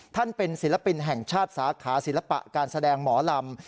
ท่านเป็นศิลปินแห่งชาติสาขาศิลปะการแสดงหมอลำ